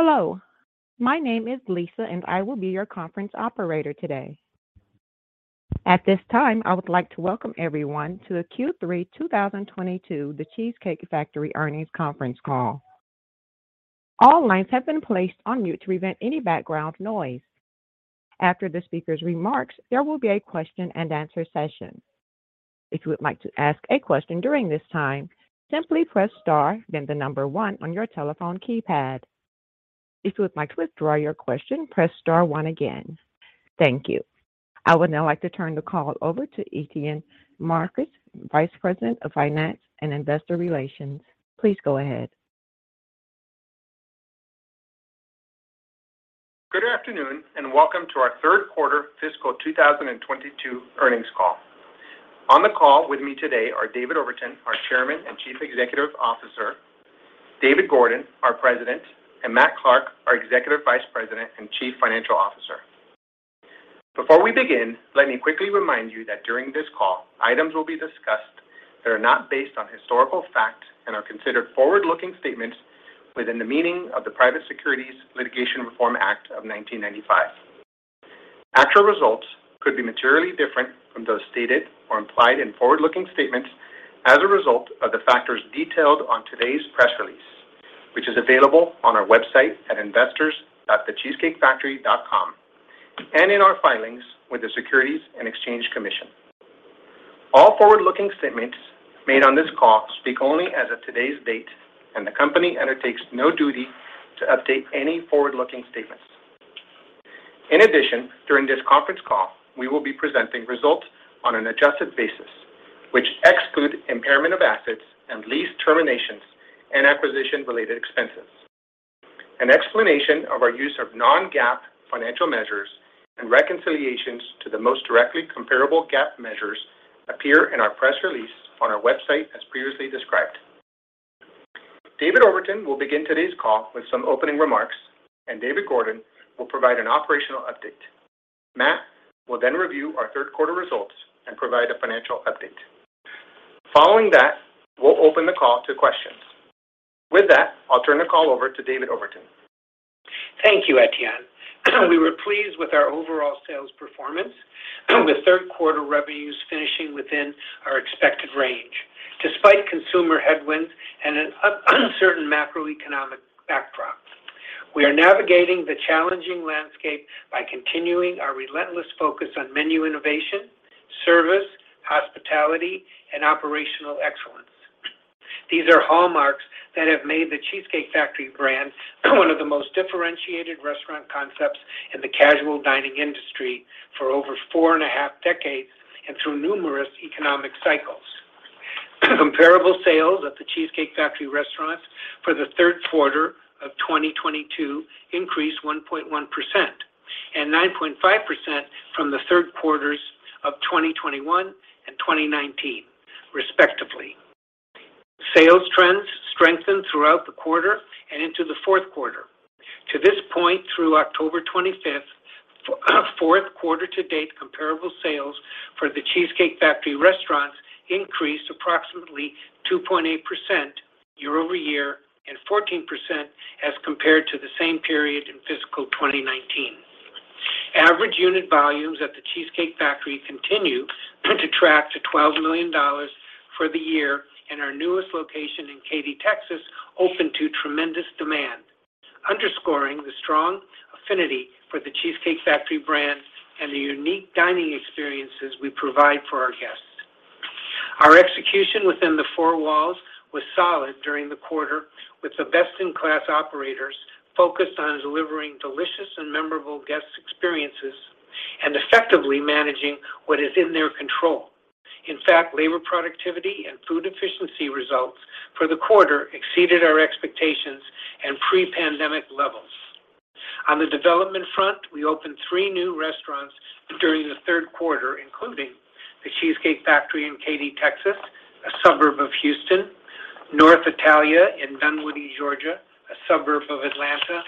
Hello, my name is Lisa, and I will be your conference operator today. At this time, I would like to welcome everyone to the Q3 2022 The Cheesecake Factory Earnings Conference Call. All lines have been placed on mute to prevent any background noise. After the speaker's remarks, there will be a question-and-answer session. If you would like to ask a question during this time, simply press star, then the number one on your telephone keypad. If you would like to withdraw your question, press star one again. Thank you. I would now like to turn the call over to Etienne Marcus, Vice President of Finance and Investor Relations. Please go ahead. Good afternoon, and welcome to our third quarter fiscal 2022 earnings call. On the call with me today are David Overton, our Chairman and Chief Executive Officer, David Gordon, our President, and Matt Clark, our Executive Vice President and Chief Financial Officer. Before we begin, let me quickly remind you that during this call, items will be discussed that are not based on historical fact and are considered forward-looking statements within the meaning of the Private Securities Litigation Reform Act of 1995. Actual results could be materially different from those stated or implied in forward-looking statements as a result of the factors detailed on today's press release, which is available on our website at investors.thecheesecakefactory.com and in our filings with the Securities and Exchange Commission. All forward-looking statements made on this call speak only as of today's date, and the company undertakes no duty to update any forward-looking statements. In addition, during this conference call, we will be presenting results on an adjusted basis, which exclude impairment of assets and lease terminations and acquisition-related expenses. An explanation of our use of non-GAAP financial measures and reconciliations to the most directly comparable GAAP measures appear in our press release on our website as previously described. David Overton will begin today's call with some opening remarks, and David Gordon will provide an operational update. Matt will then review our third quarter results and provide a financial update. Following that, we'll open the call to questions. With that, I'll turn the call over to David Overton. Thank you, Etienne. We were pleased with our overall sales performance, with third quarter revenues finishing within our expected range despite consumer headwinds and an uncertain macroeconomic backdrop. We are navigating the challenging landscape by continuing our relentless focus on menu innovation, service, hospitality, and operational excellence. These are hallmarks that have made The Cheesecake Factory brand one of the most differentiated restaurant concepts in the casual dining industry for over four and a half decades and through numerous economic cycles. Comparable sales at The Cheesecake Factory restaurants for the third quarter of 2022 increased 1.1% and 9.5% from the third quarters of 2021 and 2019, respectively. Sales trends strengthened throughout the quarter and into the fourth quarter. To this point, through October 25, fourth quarter to date comparable sales for The Cheesecake Factory restaurants increased approximately 2.8% year-over-year and 14% as compared to the same period in fiscal 2019. Average unit volumes at The Cheesecake Factory continue to track to $12 million for the year, and our newest location in Katy, Texas opened to tremendous demand, underscoring the strong affinity for The Cheesecake Factory brand and the unique dining experiences we provide for our guests. Our execution within the four walls was solid during the quarter, with the best-in-class operators focused on delivering delicious and memorable guest experiences and effectively managing what is in their control. In fact, labor productivity and food efficiency results for the quarter exceeded our expectations and pre-pandemic levels. On the development front, we opened three new restaurants during the third quarter, including The Cheesecake Factory in Katy, Texas, a suburb of Houston, North Italia in Dunwoody, Georgia, a suburb of Atlanta,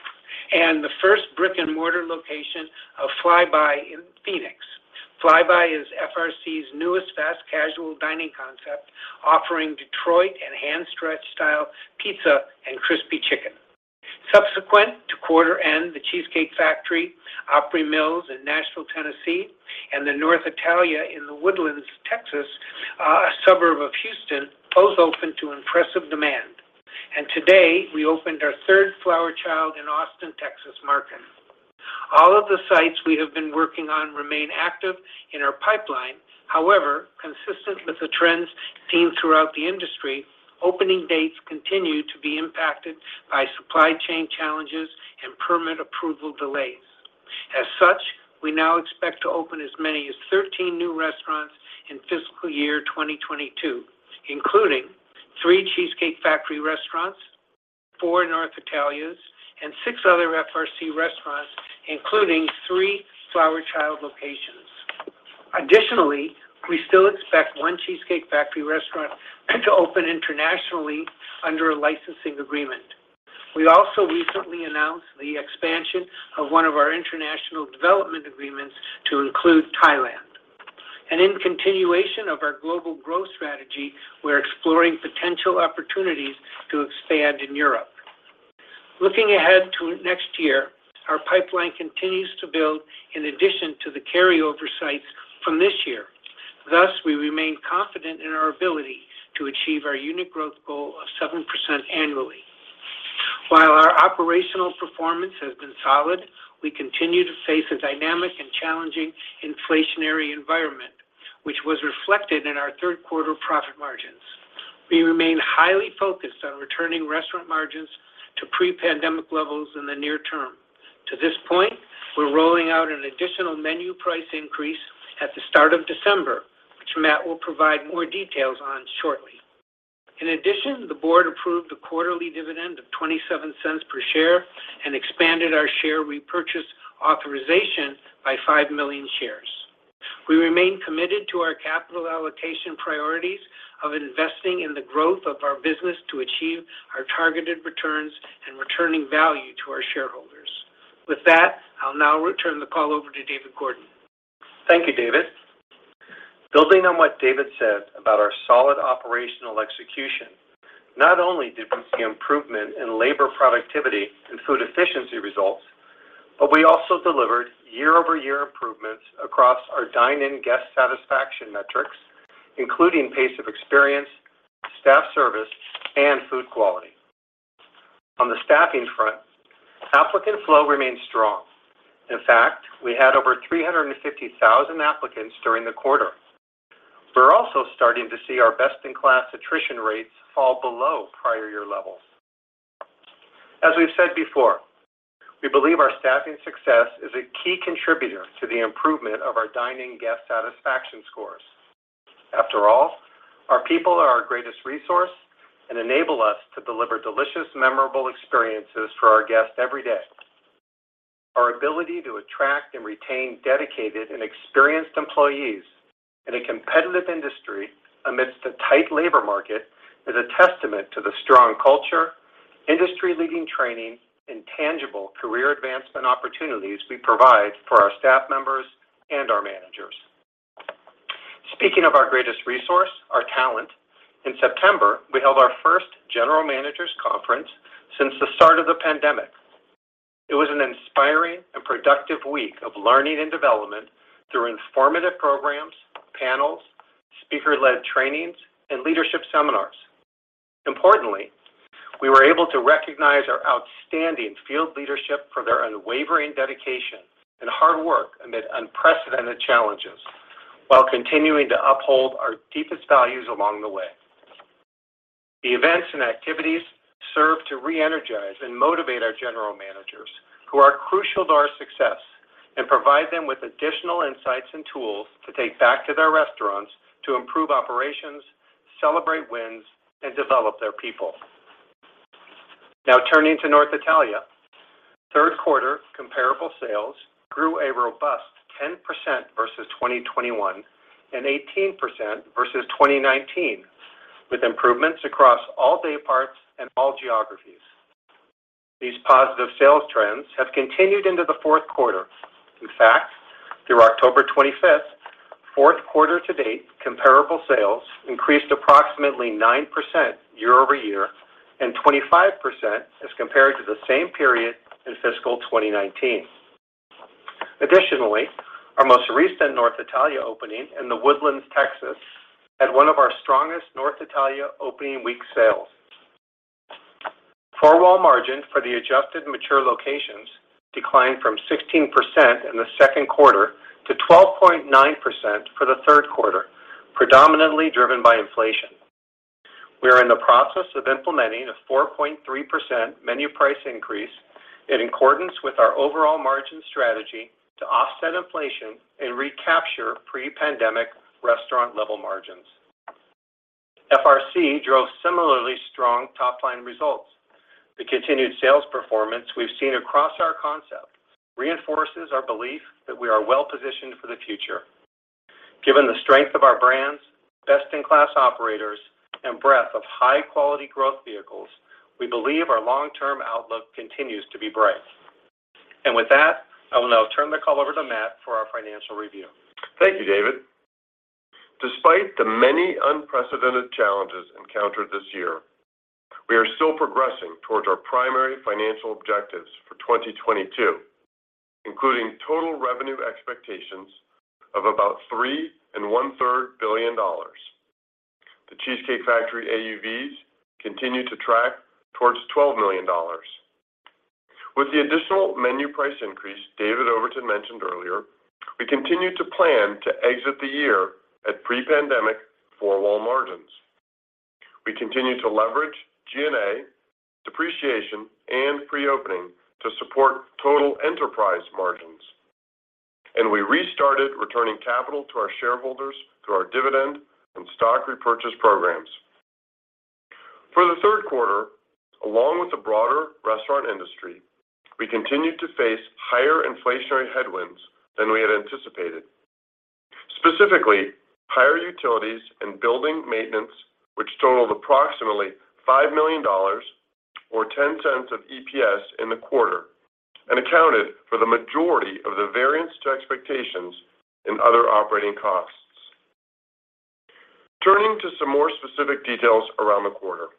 and the first brick-and-mortar location of Fly Bye in Phoenix. Fly Bye is FRC's newest fast casual dining concept, offering Detroit and hand-stretched style pizza and crispy chicken. Subsequent to quarter end, The Cheesecake Factory, Opry Mills in Nashville, Tennessee, and the North Italia in The Woodlands, Texas, a suburb of Houston, both opened to impressive demand. Today, we opened our third Flower Child in Austin, Texas market. All of the sites we have been working on remain active in our pipeline. However, consistent with the trends seen throughout the industry, opening dates continue to be impacted by supply chain challenges and permit approval delays. As such, we now expect to open as many as 13 new restaurants in fiscal year 2022, including three Cheesecake Factory restaurants, four North Italias, and six other FRC restaurants, including three Flower Child locations. Additionally, we still expect one Cheesecake Factory restaurant to open internationally under a licensing agreement. We also recently announced the expansion of one of our international development agreements to include Thailand. Continuation of our global growth strategy, we're exploring potential opportunities to expand in Europe. Looking ahead to next year, our pipeline continues to build in addition to the carryover sites from this year. Thus, we remain confident in our ability to achieve our unit growth goal of 7% annually. While our operational performance has been solid, we continue to face a dynamic and challenging inflationary environment, which was reflected in our third quarter profit margins. We remain highly focused on returning restaurant margins to pre-pandemic levels in the near term. To this point, we're rolling out an additional menu price increase at the start of December, which Matt will provide more details on shortly. In addition, the board approved a quarterly dividend of $0.27 per share and expanded our share repurchase authorization by five million shares. We remain committed to our capital allocation priorities of investing in the growth of our business to achieve our targeted returns and returning value to our shareholders. With that, I'll now return the call over to David Gordon. Thank you, David. Building on what David said about our solid operational execution, not only did we see improvement in labor productivity and food efficiency results, but we also delivered year-over-year improvements across our dine-in guest satisfaction metrics, including pace of experience, staff service, and food quality. On the staffing front, applicant flow remains strong. In fact, we had over 350,000 applicants during the quarter. We're also starting to see our best-in-class attrition rates fall below prior year levels. As we've said before, we believe our staffing success is a key contributor to the improvement of our dine-in guest satisfaction scores. After all, our people are our greatest resource and enable us to deliver delicious, memorable experiences for our guests every day. Our ability to attract and retain dedicated and experienced employees in a competitive industry amidst a tight labor market is a testament to the strong culture, industry-leading training, and tangible career advancement opportunities we provide for our staff members and our managers. Speaking of our greatest resource, our talent, in September, we held our first general managers conference since the start of the pandemic. It was an inspiring and productive week of learning and development through informative programs, panels, speaker-led trainings, and leadership seminars. Importantly, we were able to recognize our outstanding field leadership for their unwavering dedication and hard work amid unprecedented challenges while continuing to uphold our deepest values along the way. The events and activities serve to re-energize and motivate our General Managers who are crucial to our success and provide them with additional insights and tools to take back to their restaurants to improve operations, celebrate wins, and develop their people. Now, turning to North Italia. Third quarter comparable sales grew a robust 10% versus 2021 and 18% versus 2019, with improvements across all day parts and all geographies. These positive sales trends have continued into the fourth quarter. In fact, through October 25th, fourth quarter to date comparable sales increased approximately 9% year over year and 25% as compared to the same period in fiscal 2019. Additionally, our most recent North Italia opening in The Woodlands, Texas, had one of our strongest North Italia opening week sales. Four-wall margin for the adjusted mature locations declined from 16% in the second quarter to 12.9% for the third quarter, predominantly driven by inflation. We are in the process of implementing a 4.3% menu price increase in accordance with our overall margin strategy to offset inflation and recapture pre-pandemic restaurant level margins. FRC drove similarly strong top-line results. The continued sales performance we've seen across our concept reinforces our belief that we are well positioned for the future. Given the strength of our brands, best-in-class operators, and breadth of high-quality growth vehicles, we believe our long-term outlook continues to be bright. With that, I will now turn the call over to Matt for our financial review. Thank you, David. Despite the many unprecedented challenges encountered this year, we are still progressing towards our primary financial objectives for 2022, including total revenue expectations of about three and 1/3 billion dollars. The Cheesecake Factory AUVs continue to track towards $12 million. With the additional menu price increase David Overton mentioned earlier, we continue to plan to exit the year at pre-pandemic four-wall margins. We continue to leverage G&A, depreciation, and pre-opening to support total enterprise margins, and we restarted returning capital to our shareholders through our dividend and stock repurchase programs. For the third quarter, along with the broader restaurant industry, we continued to face higher inflationary headwinds than we had anticipated. Specifically, higher utilities and building maintenance, approximately $5 million or $0.10 of EPS in the quarter, accounted for the majority of the variance to expectations in other operating costs. Turning to some more specific details around the quarter.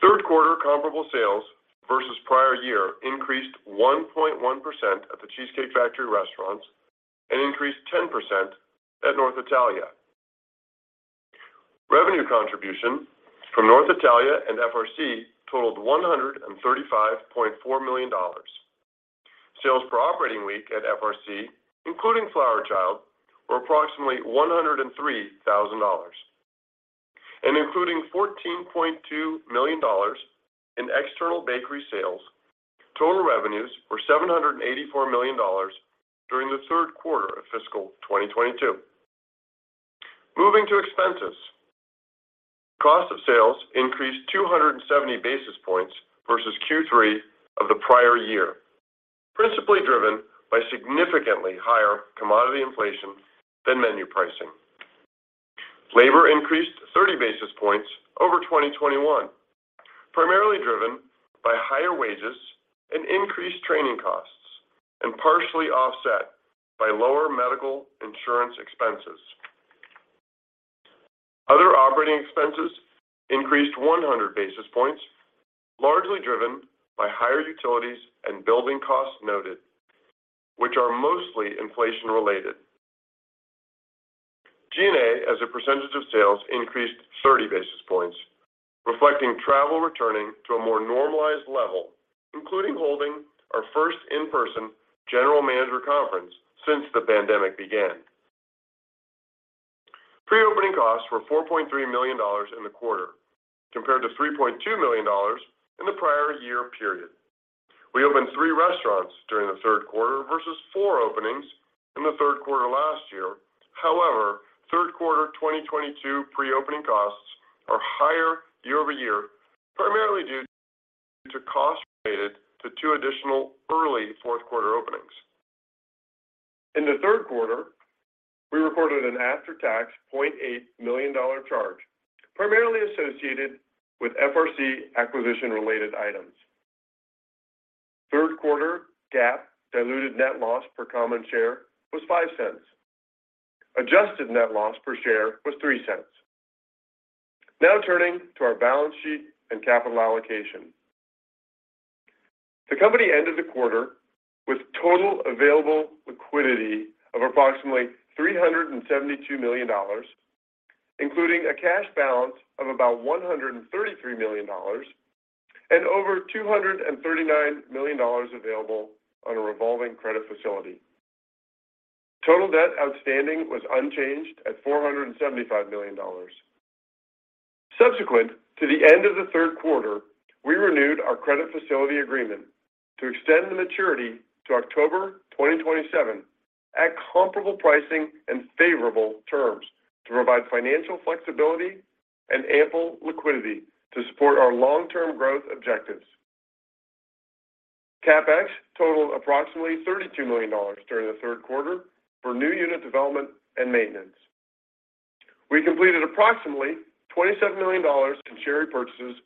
Third quarter comparable sales versus prior year increased 1.1% at The Cheesecake Factory restaurants and increased 10% at North Italia. Revenue contribution from North Italia and FRC totaled $135.4 million. Sales per operating week at FRC, including Flower Child, were approximately $103,000, and including $14.2 million in external bakery sales, total revenues were $784 million during the third quarter of fiscal 2022. Moving to expenses. Cost of sales increased 270 basis points versus Q3 of the prior year, principally driven by significantly higher commodity inflation than menu pricing. Labor increased 30 basis points over 2021, primarily driven by higher wages and increased training costs and partially offset by lower medical insurance expenses. Other operating expenses increased 100 basis points, largely driven by higher utilities and building costs noted, which are mostly inflation-related. G&A as a percentage of sales increased 30 basis points, reflecting travel returning to a more normalized level, including holding our first in-person general manager conference since the pandemic began. Pre-opening costs were $4.3 million in the quarter, compared to $3.2 million in the prior year period. We opened three restaurants during the third quarter versus four openings in the third quarter last year. However, third quarter 2022 pre-opening costs are higher year over year, primarily due to costs related to two additional early fourth quarter openings. In the third quarter, we recorded an after-tax $0.8 million charge, primarily associated with FRC acquisition related items. Third quarter GAAP diluted net loss per common share was $0.05. Adjusted net loss per share was $0.03. Now turning to our balance sheet and capital allocation. The company ended the quarter with total available liquidity of approximately $372 million, including a cash balance of about $133 million and over $239 million available on a revolving credit facility. Total debt outstanding was unchanged at $475 million. Subsequent to the end of the third quarter, we renewed our credit facility agreement to extend the maturity to October 2027 at comparable pricing and favorable terms to provide financial flexibility and ample liquidity to support our long-term growth objectives. CapEx totaled approximately $32 million during the third quarter for new unit development and maintenance. We completed approximately $27 million in share repurchases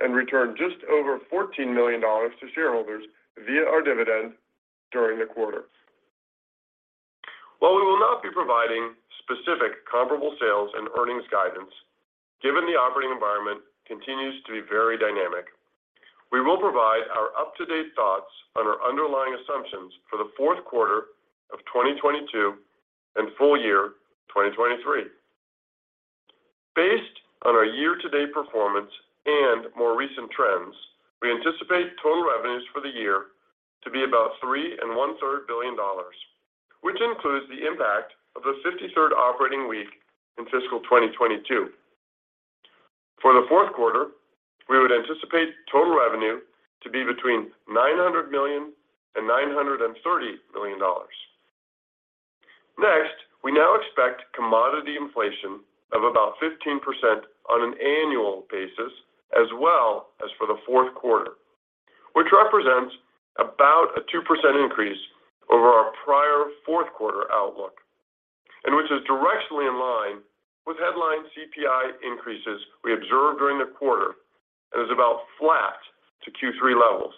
and returned just over $14 million to shareholders via our dividend during the quarter. While we will not be providing specific comparable sales and earnings guidance, given the operating environment continues to be very dynamic, we will provide our up-to-date thoughts on our underlying assumptions for the fourth quarter of 2022 and full year 2023. Based on our year-to-date performance and more recent trends, we anticipate total revenues for the year to be about $3 and 1/3 billion, which includes the impact of the 53rd operating week in fiscal 2022. For the fourth quarter, we would anticipate total revenue to be between $900 million and $930 million. Next, we now expect commodity inflation of about 15% on an annual basis as well as for the fourth quarter, which represents about a 2% increase over our prior fourth quarter outlook and which is directionally in line with headline CPI increases we observed during the quarter and is about flat to Q3 levels.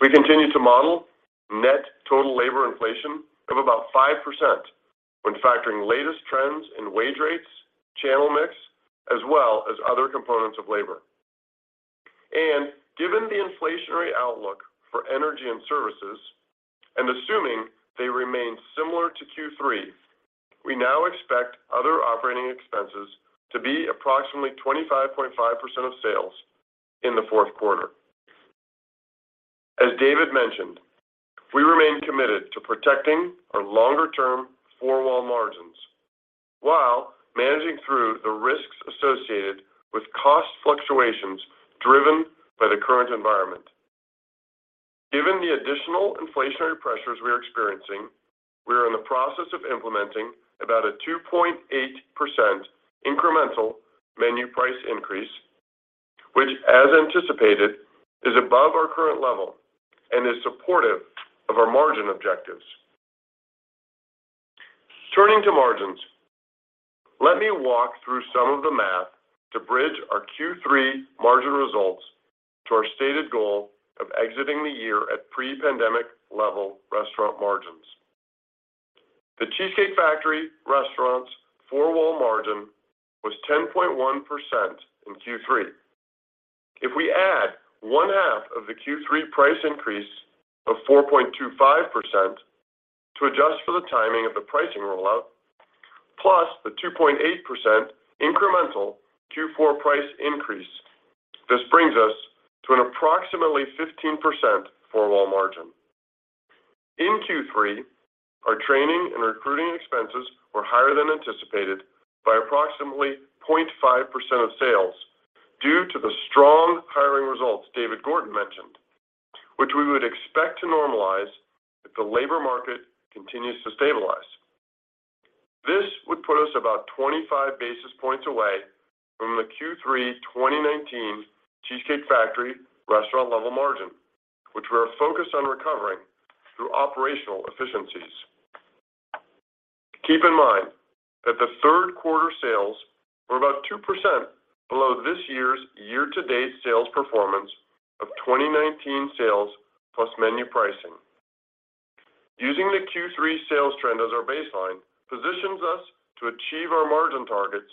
We continue to model net total labor inflation of about 5% when factoring latest trends in wage rates, channel mix, as well as other components of labor. Given the inflationary outlook for energy and services and assuming they remain similar to Q3, we now expect other operating expenses to be approximately 25.5% of sales in the fourth quarter. As David mentioned, we remain committed to protecting our longer-term four-wall margins while managing through the risks associated with cost fluctuations driven by the current environment. Given the additional inflationary pressures we are experiencing, we are in the process of implementing about a 2.8% incremental menu price increase, which, as anticipated, is above our current level and is supportive of our margin objectives. Turning to margins, let me walk through some of the math to bridge our Q3 margin results to our stated goal of exiting the year at pre-pandemic level restaurant margins. The Cheesecake Factory restaurants' four-wall margin was 10.1% in Q3. If we add one half of the Q3 price increase of 4.25% to adjust for the timing of the pricing rollout, plus the 2.8% incremental Q4 price increase, this brings us to an approximately 15% four-wall margin. In Q3, our training and recruiting expenses were higher than anticipated by approximately 0.5% of sales due to the strong hiring results David Gordon mentioned, which we would expect to normalize if the labor market continues to stabilize. This would put us about 25 basis points away from the Q3 2019 The Cheesecake Factory restaurant level margin, which we are focused on recovering through operational efficiencies. Keep in mind that the third quarter sales were about 2% below this year's year-to-date sales performance of 2019 sales plus menu pricing. Using the Q3 sales trend as our baseline positions us to achieve our margin targets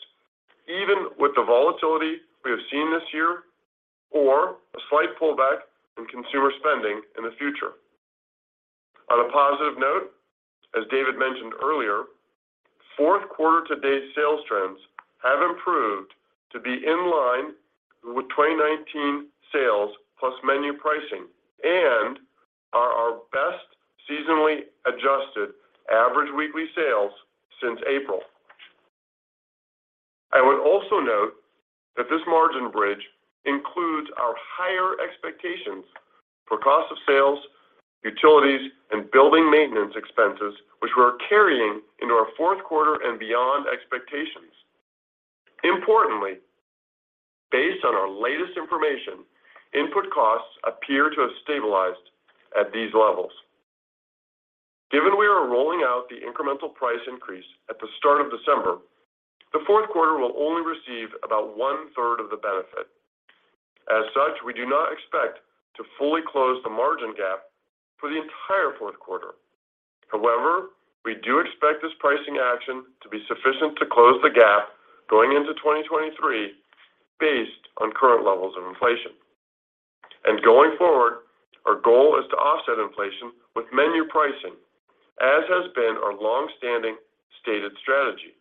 even with the volatility we have seen this year or a slight pullback in consumer spending in the future. On a positive note, as David mentioned earlier, fourth quarter to date sales trends have improved to be in line with 2019 sales plus menu pricing and are our best seasonally adjusted average weekly sales since April. I would also note that this margin bridge includes our higher expectations for cost of sales, utilities, and building maintenance expenses, which we are carrying into our fourth quarter and beyond expectations. Importantly, based on our latest information, input costs appear to have stabilized at these levels. Given we are rolling out the incremental price increase at the start of December, the fourth quarter will only receive about one-third of the benefit. As such, we do not expect to fully close the margin gap for the entire fourth quarter. However, we do expect this pricing action to be sufficient to close the gap going into 2023 based on current levels of inflation. Going forward, our goal is to offset inflation with menu pricing, as has been our long-standing stated strategy.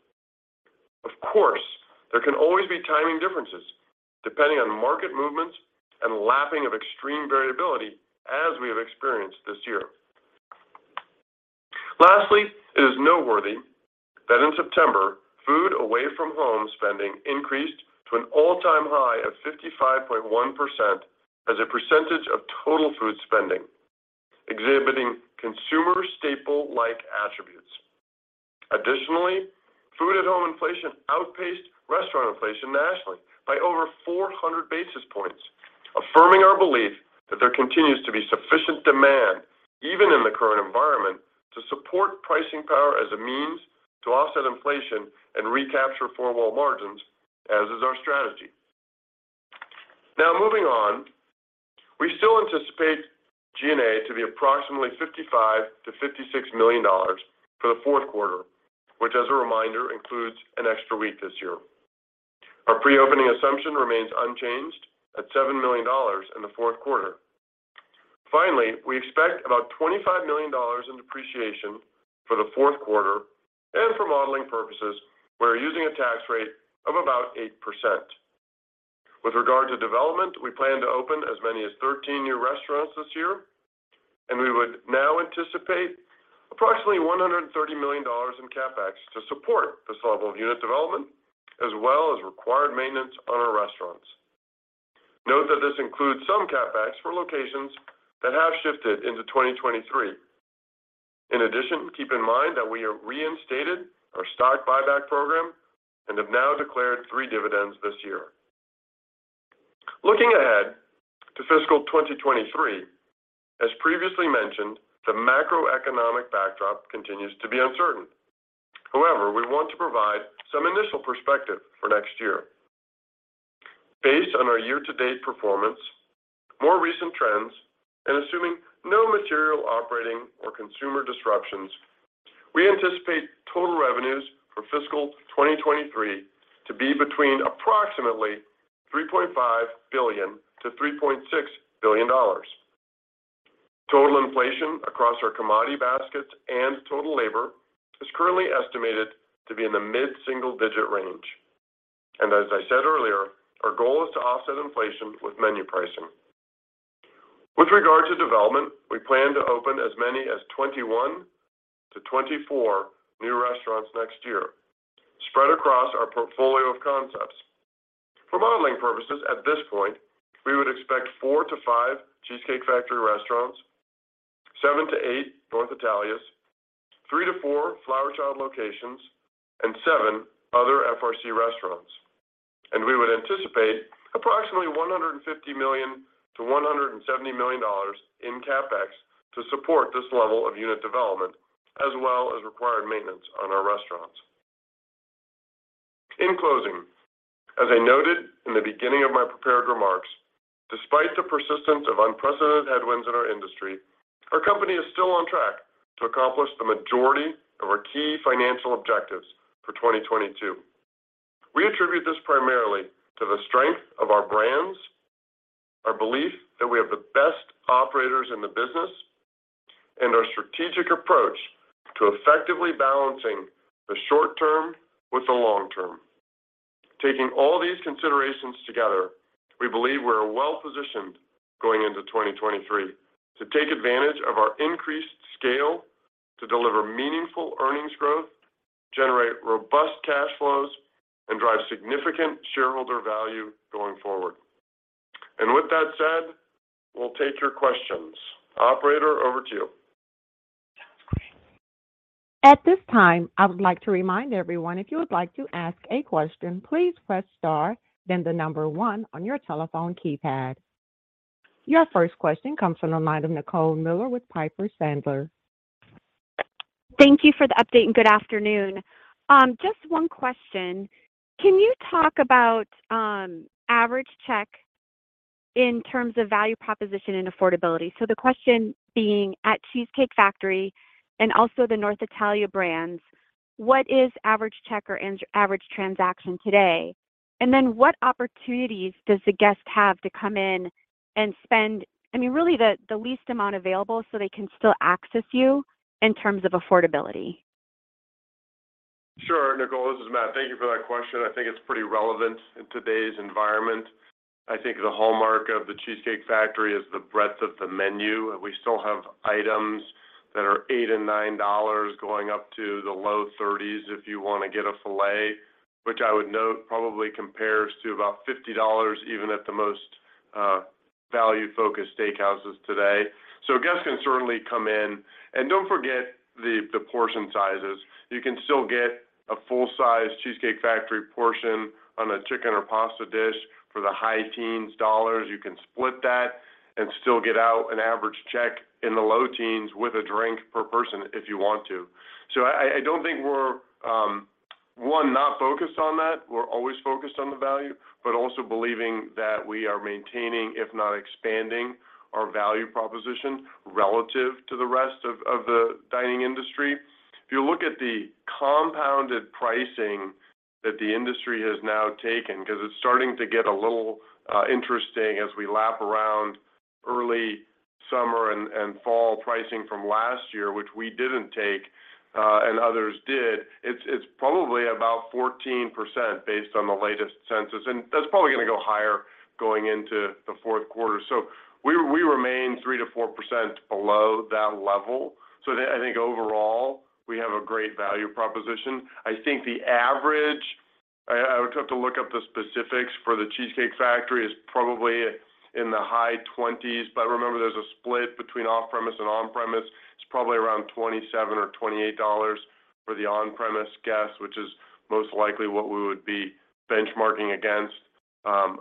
Of course, there can always be timing differences depending on market movements and lapping of extreme variability as we have experienced this year. Lastly, it is noteworthy that in September, food away from home spending increased to an all-time high of 55.1% as a percentage of total food spending, exhibiting consumer staple-like attributes. Additionally, food at home inflation outpaced restaurant inflation nationally by over 400 basis points, affirming our belief that there continues to be sufficient demand even in the current environment, to support pricing power as a means to offset inflation and recapture four-wall margins, as is our strategy. Now, moving on, we still anticipate G&A to be approximately $55 million-$56 million for the fourth quarter, which as a reminder, includes an extra week this year. Our pre-opening assumption remains unchanged at $7 million in the fourth quarter. Finally, we expect about $25 million in depreciation for the fourth quarter. For modeling purposes, we're using a tax rate of about 8%. With regard to development, we plan to open as many as 13 new restaurants this year, and we would now anticipate approximately $130 million in CapEx to support this level of unit development, as well as required maintenance on our restaurants. Note that this includes some CapEx for locations that have shifted into 2023. In addition, keep in mind that we have reinstated our stock buyback program and have now declared three dividends this year. Looking ahead to fiscal 2023, as previously mentioned, the macroeconomic backdrop continues to be uncertain. However, we want to provide some initial perspective for next year. Based on our year-to-date performance, more recent trends, and assuming no material operating or consumer disruptions, we anticipate total revenues for fiscal 2023 to be between approximately $3.5 billion-$3.6 billion. Total inflation across our commodity baskets and total labor is currently estimated to be in the mid-single digit range. As I said earlier, our goal is to offset inflation with menu pricing. With regard to development, we plan to open as many as 21-24 new restaurants next year, spread across our portfolio of concepts. For modeling purposes, at this point, we would expect four to five Cheesecake Factory restaurants, seven to eight North Italia, three to four Flower Child locations, and seven other FRC restaurants. We anticipate approximately $150 million-$170 million in CapEx to support this level of unit development as well as required maintenance on our restaurants. In closing, as I noted in the beginning of my prepared remarks, despite the persistence of unprecedented headwinds in our industry, our company is still on track to accomplish the majority of our key financial objectives for 2022. We attribute this primarily to the strength of our brands, our belief that we have the best operators in the business, and our strategic approach to effectively balancing the short term with the long term. Taking all these considerations together, we believe we're well-positioned going into 2023 to take advantage of our increased scale to deliver meaningful earnings growth, generate robust cash flows, and drive significant shareholder value going forward. With that said, we'll take your questions. Operator, over to you. Sounds great. At this time, I would like to remind everyone if you would like to ask a question, please press star, then the number one on your telephone keypad. Your first question comes from the line of Nicole Miller with Piper Sandler. Thank you for the update and good afternoon. Just one question. Can you talk about average check in terms of value proposition and affordability? The question being, at Cheesecake Factory and also the North Italia brands, what is average check or average transaction today? And then what opportunities does the guest have to come in and spend, I mean, really the least amount available so they can still access you in terms of affordability? Sure. Nicole, this is Matt. Thank you for that question. I think it's pretty relevant in today's environment. I think the hallmark of The Cheesecake Factory is the breadth of the menu. We still have items that are $8 and $9 going up to the low 30s if you want to get a filet, which I would note probably compares to about $50 even at the most value-focused steakhouses today. Guests can certainly come in. Don't forget the portion sizes. You can still get a full-size Cheesecake Factory portion on a chicken or pasta dish for the high teens dollars. You can split that and still get out an average check in the low teens with a drink per person if you want to. I don't think we're not focused on that. We're always focused on the value, but also believing that we are maintaining, if not expanding, our value proposition relative to the rest of the dining industry. If you look at the compounded pricing that the industry has now taken, because it's starting to get a little interesting as we lap around early summer and fall pricing from last year, which we didn't take, and others did. It's probably about 14% based on the latest consensus, and that's probably going to go higher going into the fourth quarter. We remain 3%-4% below that level. I think overall, we have a great value proposition. I think the average I would have to look up the specifics for The Cheesecake Factory is probably in the high 20s. Remember, there's a split between off-premise and on-premise. It's probably around $27 or $28 for the on-premise guest, which is most likely what we would be benchmarking against.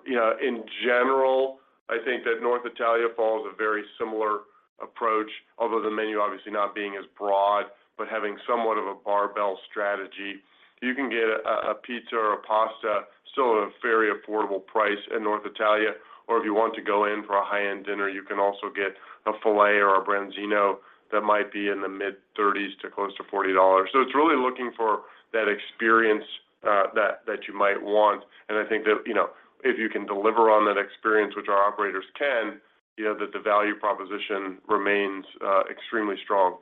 You know, in general, I think that North Italia follows a very similar approach, although the menu obviously not being as broad, but having somewhat of a barbell strategy. You can get a pizza or a pasta still at a very affordable price at North Italia. If you want to go in for a high-end dinner, you can also get a filet or a branzino that might be in the mid-30s to close to $40. It's really looking for that experience, that you might want. I think that, you know, if you can deliver on that experience, which our operators can, you know, that the value proposition remains extremely strong.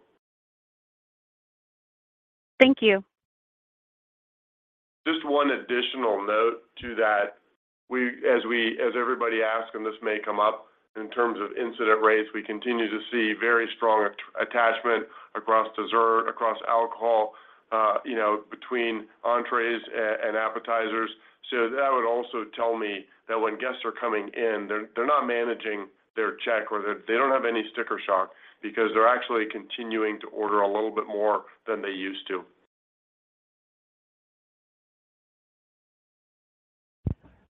Thank you. Just one additional note to that. As everybody asks, and this may come up in terms of incidence rates, we continue to see very strong attachment across dessert, across alcohol, you know, between entrees and appetizers. That would also tell me that when guests are coming in, they're not managing their check or that they don't have any sticker shock because they're actually continuing to order a little bit more than they used to.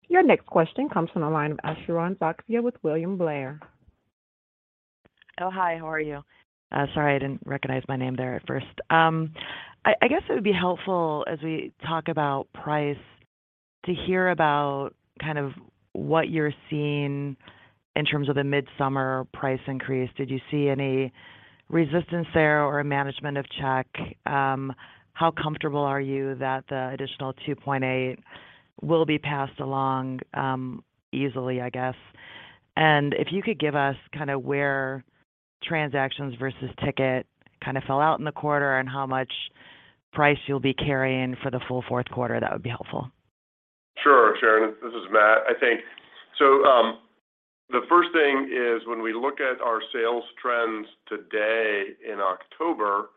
Your next question comes from the line of Sharon Zackfia with William Blair. Hi, how are you? Sorry, I didn't recognize my name there at first. I guess it would be helpful as we talk about price to hear about kind of what you're seeing in terms of the mid-summer price increase. Did you see any resistance there or management of check? How comfortable are you that the additional 2.8% will be passed along easily, I guess? If you could give us kinda where transactions versus ticket kinda fell out in the quarter and how much price you'll be carrying for the full fourth quarter, that would be helpful. Sure, Sharon, this is Matt, I think. The first thing is when we look at our sales trends today in October,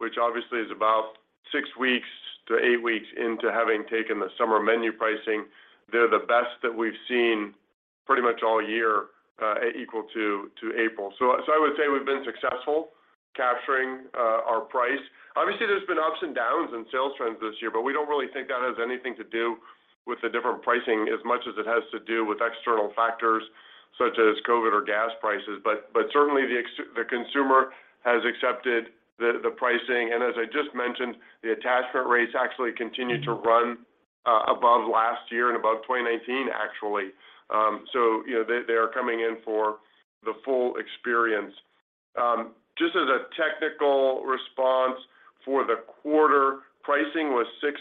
which obviously is about six weeks to eight weeks into having taken the summer menu pricing, they're the best that we've seen. Pretty much all year, equal to April. I would say we've been successful capturing our price. Obviously, there's been ups and downs in sales trends this year, but we don't really think that has anything to do with the different pricing as much as it has to do with external factors such as COVID or gas prices. But certainly the consumer has accepted the pricing. As I just mentioned, the attachment rates actually continue to run above last year and above 2019 actually. You know, they are coming in for the full experience. Just as a technical response for the quarter, pricing was 6%.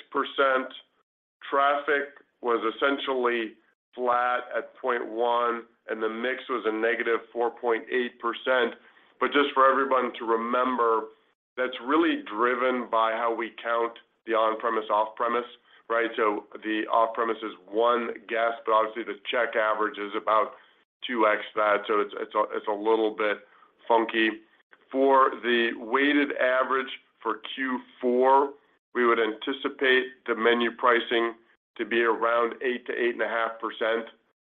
Traffic was essentially flat at 0.1%, and the mix was a negative 4.8%. But just for everyone to remember, that's really driven by how we count the on-premise, off-premise, right? The off-premise is one guest, but obviously the check average is about 2x that, so it's a little bit funky. For the weighted average for Q4, we would anticipate the menu pricing to be around 8%-8.5%,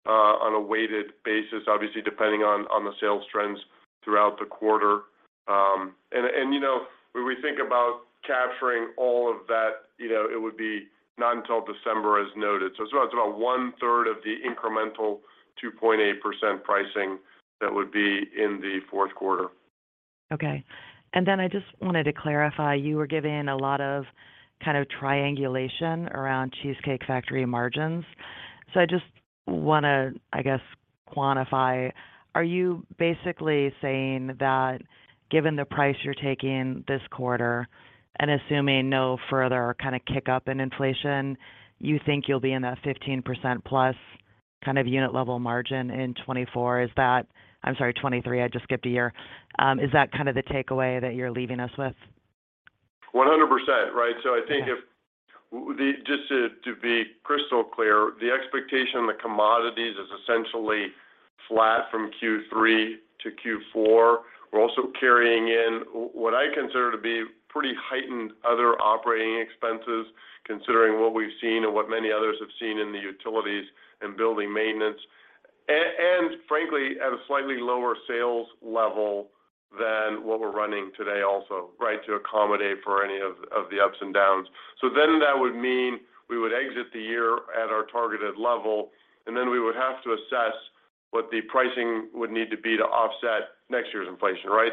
on a weighted basis, obviously depending on the sales trends throughout the quarter. And you know, when we think about capturing all of that, it would be not until December as noted. It's about 1/3 of the incremental 2.8% pricing that would be in the fourth quarter. Okay. I just wanted to clarify, you were giving a lot of kind of triangulation around The Cheesecake Factory margins. I just wanna, I guess, quantify, are you basically saying that given the price you're taking this quarter and assuming no further kind of kick-up in inflation, you think you'll be in that 15+% kind of unit level margin in 2024? Is that? I'm sorry, 2023. I just skipped a year. Is that kind of the takeaway that you're leaving us with? 100%, right. I think, just to be crystal clear, the expectation on the commodities is essentially flat from Q3 to Q4. We're also carrying in what I consider to be pretty heightened other operating expenses considering what we've seen and what many others have seen in the utilities and building maintenance. And frankly, at a slightly lower sales level than what we're running today also, right, to accommodate for any of the ups and downs. That would mean we would exit the year at our targeted level, and we would have to assess what the pricing would need to be to offset next year's inflation, right?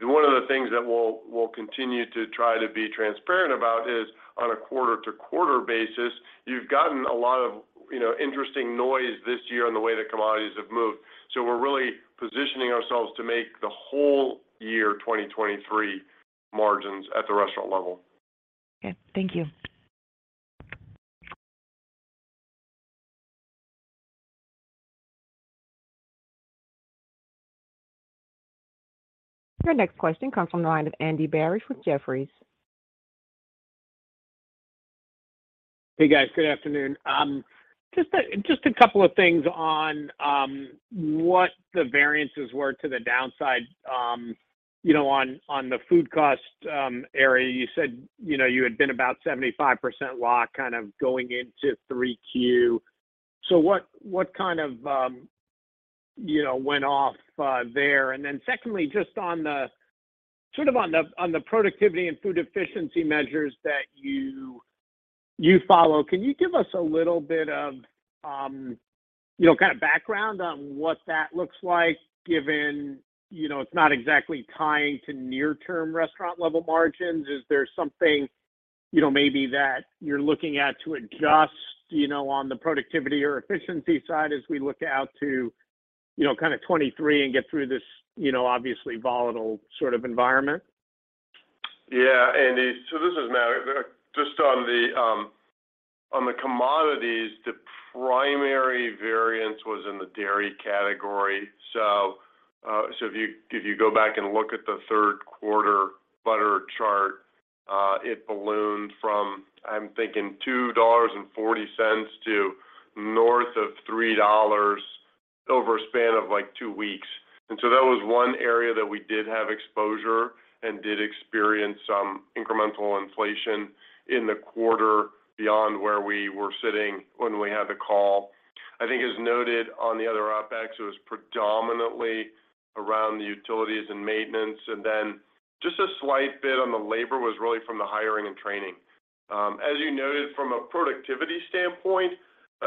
One of the things that we'll continue to try to be transparent about is on a quarter-to-quarter basis, you've gotten a lot of, you know, interesting noise this year in the way that commodities have moved. We're really positioning ourselves to make the whole year 2023 margins at the restaurant level. Okay. Thank you. Your next question comes from the line of Andy Barish with Jefferies. Hey, guys. Good afternoon. Just a couple of things on what the variances were to the downside, you know, on the food cost area. You said, you know, you had been about 75% locked kind of going into 3Q. What kind of, you know, went off there? Secondly, just on the productivity and food efficiency measures that you follow, can you give us a little bit of, you know, kind of background on what that looks like given, you know, it's not exactly tying to near-term restaurant level margins? Is there something, you know, maybe that you're looking at to adjust, you know, on the productivity or efficiency side as we look out to, you know, kind of 2023 and get through this, you know, obviously volatile sort of environment? Yeah, Andy. This is Matt. Just on the commodities, the primary variance was in the dairy category. If you go back and look at the third quarter butter chart, it ballooned from, I'm thinking $2.40 to north of $3 over a span of like two weeks. That was one area that we did have exposure and did experience some incremental inflation in the quarter beyond where we were sitting when we had the call. I think as noted on the other OpEx, it was predominantly around the utilities and maintenance. Then just a slight bit on the labor was really from the hiring and training. As you noted from a productivity standpoint,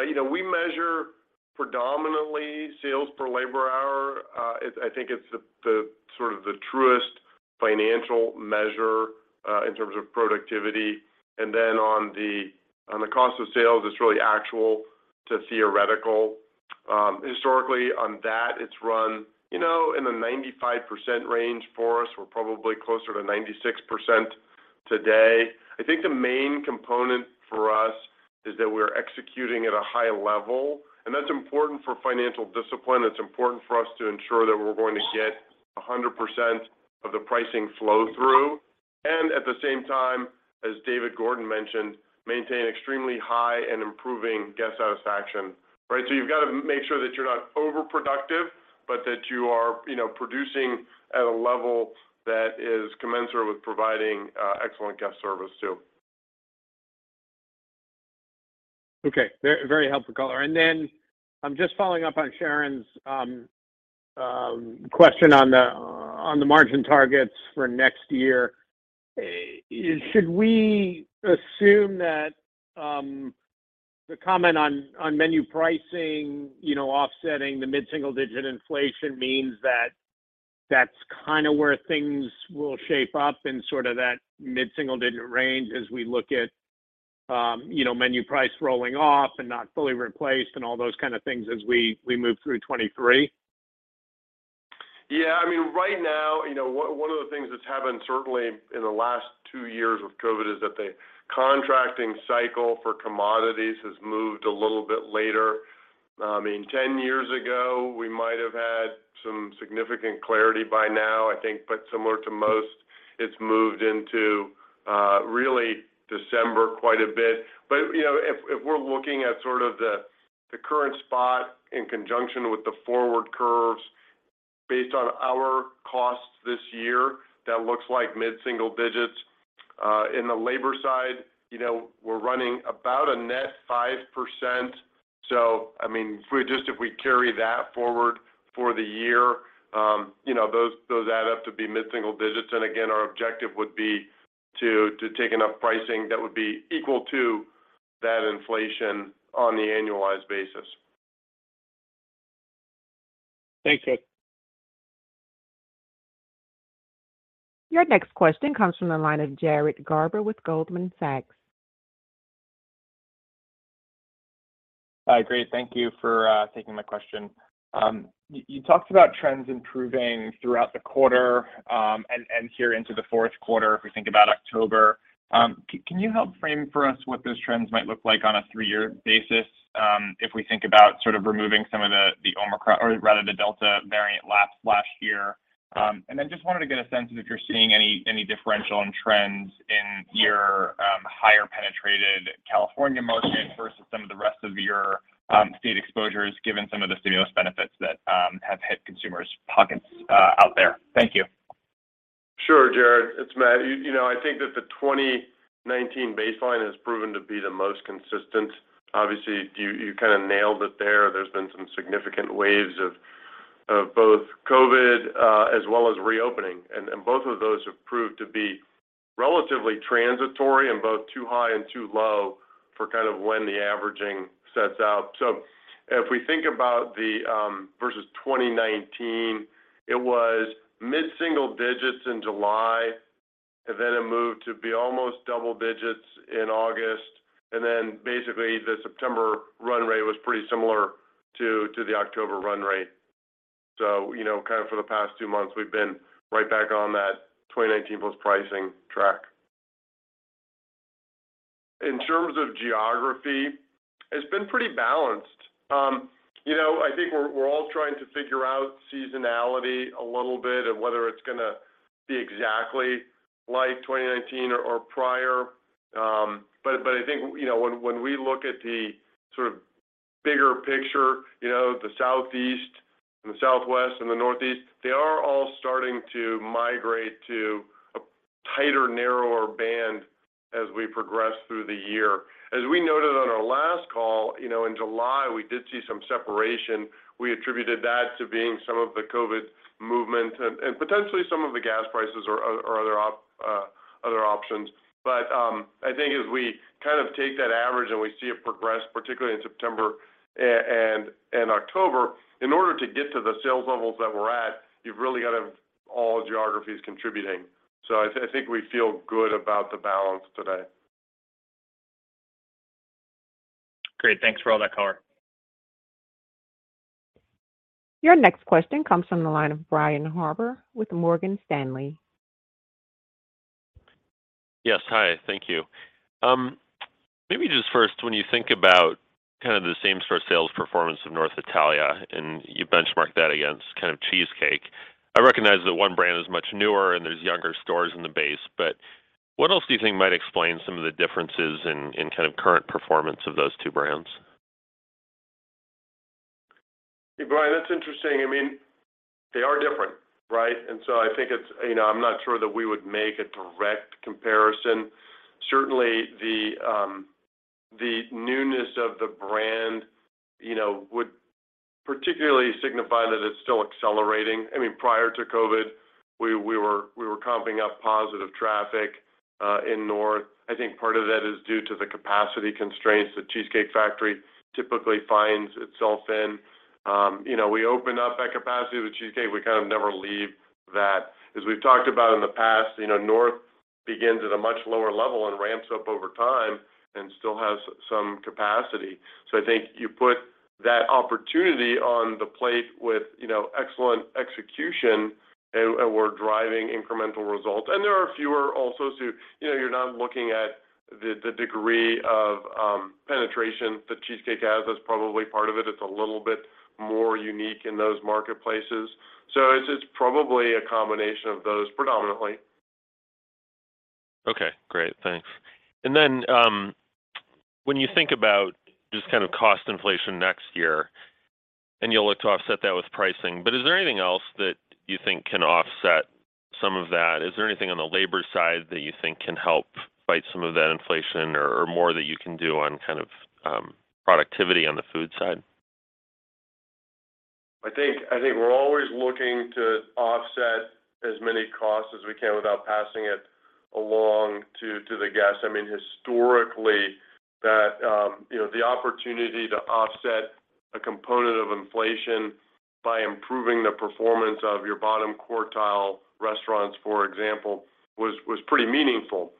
you know, we measure predominantly sales per labor hour. I think it's the sort of the truest financial measure in terms of productivity. Then on the cost of sales, it's really actual to theoretical. Historically on that, it's run, you know, in the 95% range for us. We're probably closer to 96% today. I think the main component for us is that we're executing at a high level, and that's important for financial discipline. It's important for us to ensure that we're going to get 100% of the pricing flow through. At the same time, as David Gordon mentioned, maintain extremely high and improving guest satisfaction, right. You've got to make sure that you're not over-productive, but that you are, you know, producing at a level that is commensurate with providing excellent guest service too. Okay. Very, very helpful color. Then, just following up on Sharon's question on the margin targets for next year. Should we assume that the comment on menu pricing, you know, offsetting the mid-single digit inflation means that that's kind of where things will shape up in sort of that mid-single digit range as we look at, you know, menu price rolling off and not fully replaced and all those kind of things as we move through 2023? Yeah. I mean, right now, you know, one of the things that's happened certainly in the last two years with COVID is that the contracting cycle for commodities has moved a little bit later. I mean, 10 years ago, we might have had some significant clarity by now, I think, but similar to most, it's moved into really December quite a bit. You know, if we're looking at sort of the current spot in conjunction with the forward curves based on our costs this year, that looks like mid-single digits. In the labor side, you know, we're running about a net 5%. So I mean, if we carry that forward for the year, you know, those add up to be mid-single digits. Again, our objective would be to take enough pricing that would be equal to that inflation on the annualized basis. Thanks, Matt. Your next question comes from the line of Jared Garber with Goldman Sachs. Hi. Great. Thank you for taking my question. You talked about trends improving throughout the quarter, and here into the fourth quarter if we think about October. Can you help frame for us what those trends might look like on a three-year basis, if we think about sort of removing some of the Delta variant lapse last year? And then just wanted to get a sense of if you're seeing any differential in trends in your higher penetrated California market versus some of the rest of your state exposures, given some of the stimulus benefits that have hit consumers' pockets out there. Thank you. Sure, Jared. It's Matt. You know, I think that the 2019 baseline has proven to be the most consistent. Obviously, you kind of nailed it there. There's been some significant waves of both COVID as well as reopening, and both of those have proved to be relatively transitory and both too high and too low for kind of when the averaging sets out. If we think about the versus 2019, it was mid-single digits in July, and then it moved to be almost double digits in August. Then basically the September run rate was pretty similar to the October run rate. You know, kind of for the past two months, we've been right back on that 2019 post-pricing track. In terms of geography, it's been pretty balanced. You know, I think we're all trying to figure out seasonality a little bit and whether it's gonna be exactly like 2019 or prior. But I think, you know, when we look at the sort of bigger picture, you know, the Southeast and the Southwest and the Northeast, they are all starting to migrate to a tighter, narrower band as we progress through the year. As we noted on our last call, you know, in July, we did see some separation. We attributed that to being some of the COVID movement and potentially some of the gas prices or other options. I think as we kind of take that average and we see it progress, particularly in September and October, in order to get to the sales levels that we're at, you've really got to have all geographies contributing. I think we feel good about the balance today. Great. Thanks for all that color. Your next question comes from the line of Brian Harbour with Morgan Stanley. Yes. Hi, thank you. Maybe just first, when you think about kind of the same-store sales performance of North Italia, and you benchmark that against kind of Cheesecake. I recognize that one brand is much newer and there's younger stores in the base, but what else do you think might explain some of the differences in kind of current performance of those two brands? Brian, that's interesting. I mean, they are different, right? I think it's you know, I'm not sure that we would make a direct comparison. Certainly, the newness of the brand, you know, would particularly signify that it's still accelerating. I mean, prior to COVID, we were comping up positive traffic in North Italia. I think part of that is due to the capacity constraints that Cheesecake Factory typically finds itself in. You know, we open up that capacity with Cheesecake, we kind of never leave that. As we've talked about in the past, you know, North Italia begins at a much lower level and ramps up over time and still has some capacity. I think you put that opportunity on the plate with, you know, excellent execution and we're driving incremental results. There are fewer also to. You know, you're not looking at the degree of penetration that Cheesecake has. That's probably part of it. It's a little bit more unique in those marketplaces. It's probably a combination of those predominantly. Okay, great. Thanks. When you think about just kind of cost inflation next year. You'll look to offset that with pricing. Is there anything else that you think can offset some of that? Is there anything on the labor side that you think can help fight some of that inflation or more that you can do on kind of productivity on the food side? I think we're always looking to offset as many costs as we can without passing it along to the guests. I mean, historically, you know, the opportunity to offset a component of inflation by improving the performance of your bottom quartile restaurants, for example, was pretty meaningful.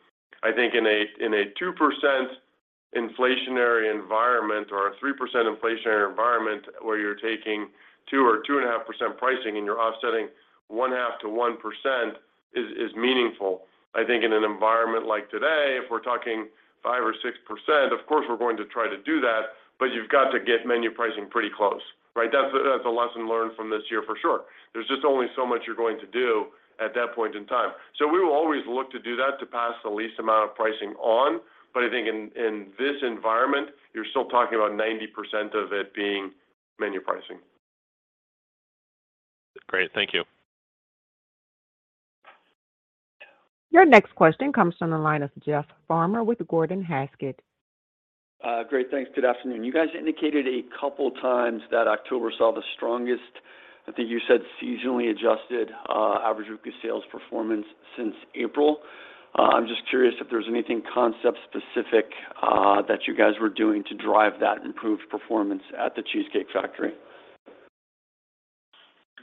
I think in a 2% inflationary environment or a 3% inflationary environment where you're taking 2% or 2.5% pricing and you're offsetting 0.5%-1% is meaningful. I think in an environment like today, if we're talking 5%-6%, of course, we're going to try to do that, but you've got to get menu pricing pretty close, right? That's the lesson learned from this year for sure. There's just only so much you're going to do at that point in time. We will always look to do that to pass the least amount of pricing on. I think in this environment, you're still talking about 90% of it being menu pricing. Great. Thank you. Your next question comes from the line of Jeff Farmer with Gordon Haskett. Great. Thanks. Good afternoon. You guys indicated a couple times that October saw the strongest, I think you said seasonally adjusted, average weekly sales performance since April. I'm just curious if there's anything concept specific, that you guys were doing to drive that improved performance at The Cheesecake Factory?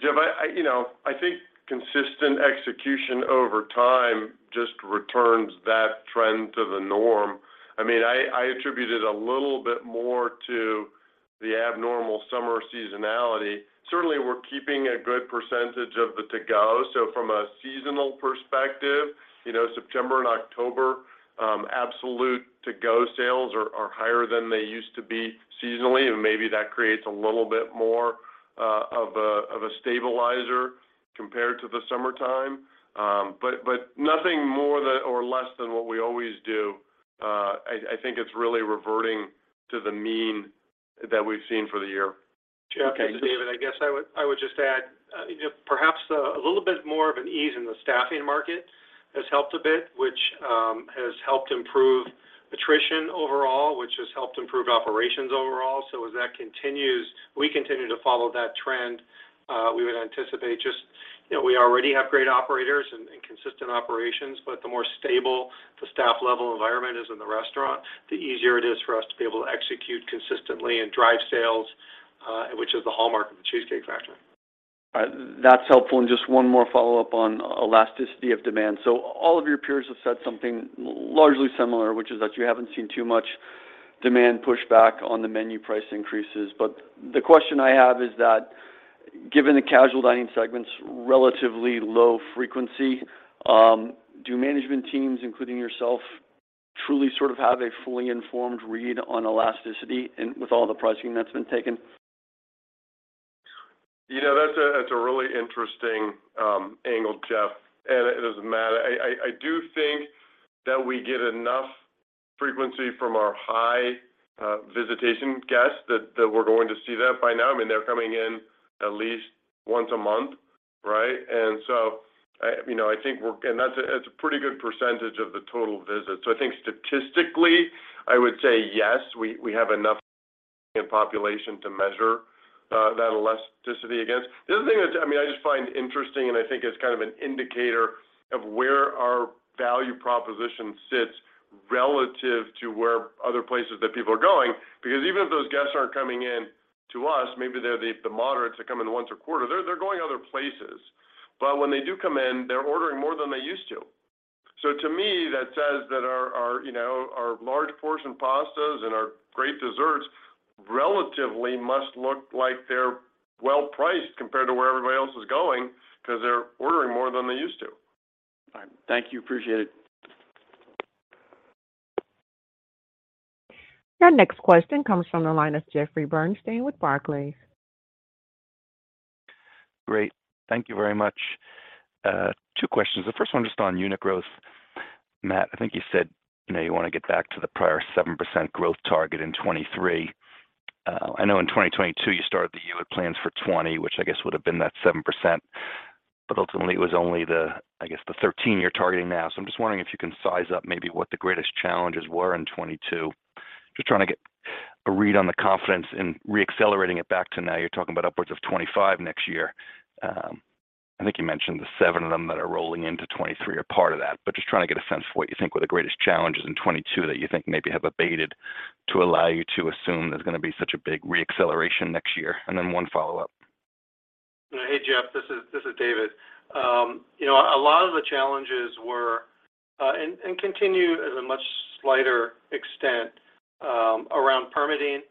Jeff, you know, I think consistent execution over time just returns that trend to the norm. I mean, I attribute it a little bit more to the abnormal summer seasonality. Certainly, we're keeping a good percentage of the to-go. From a seasonal perspective, you know, September and October, absolute to-go sales are higher than they used to be seasonally, and maybe that creates a little bit more of a stabilizer compared to the summertime. Nothing more than or less than what we always do. I think it's really reverting to the mean that we've seen for the year. Okay. Jeff, this is David. I guess I would just add, you know, perhaps a little bit more of an ease in the staffing market has helped a bit, which has helped improve attrition overall, which has helped improve operations overall. As that continues, we continue to follow that trend, we would anticipate. You know, we already have great operators and consistent operations, but the more stable the staff level environment is in the restaurant, the easier it is for us to be able to execute consistently and drive sales, which is the hallmark of The Cheesecake Factory. All right. That's helpful. Just one more follow-up on elasticity of demand. All of your peers have said something largely similar, which is that you haven't seen too much demand pushback on the menu price increases. The question I have is that given the casual dining segment's relatively low frequency, do management teams, including yourself, truly sort of have a fully informed read on elasticity with all the pricing that's been taken? You know, that's a really interesting angle, Jeff. It doesn't matter. I do think that we get enough frequency from our high visitation guests that we're going to see that by now. I mean, they're coming in at least once a month, right? You know, I think that's a pretty good percentage of the total visits. So I think statistically, I would say yes, we have enough in population to measure that elasticity against. The other thing that I mean, I just find interesting and I think is kind of an indicator of where our value proposition sits relative to where other places that people are going, because even if those guests aren't coming in to us, maybe they're the moderates that come in once a quarter. They're going other places. When they do come in, they're ordering more than they used to. To me, that says that our you know our large portion pastas and our great desserts relatively must look like they're well-priced compared to where everybody else is going because they're ordering more than they used to. All right. Thank you. Appreciate it. Your next question comes from the line of Jeffrey Bernstein with Barclays. Great. Thank you very much. Two questions. The first one just on unit growth. Matt, I think you said, you know, you wanna get back to the prior 7% growth target in 2023. I know in 2022, you started the year with plans for 20, which I guess would have been that 7%. Ultimately, it was only the, I guess, 13 you're targeting now. I'm just wondering if you can size up maybe what the greatest challenges were in 2022. Just trying to get a read on the confidence in reaccelerating it back to now you're talking about upwards of 25 next year. I think you mentioned the seven of them that are rolling into 2023 are part of that, but just trying to get a sense for what you think were the greatest challenges in 2022 that you think maybe have abated to allow you to assume there's gonna be such a big reacceleration next year. One follow-up. Hey, Jeff. This is David. You know, a lot of the challenges were and continue as a much slighter extent around permitting,